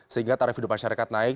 sehingga tarif hidup masyarakat naik